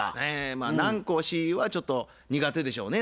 まあ南光ＣＥＯはちょっと苦手でしょうね